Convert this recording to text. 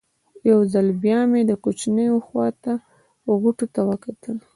یو ځل بیا مې د کوچونو خوا ته غوټو ته وکتل.